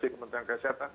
di kementerian kesehatan